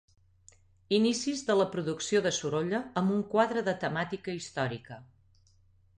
Inicis de la producció de Sorolla amb un quadre de temàtica històrica.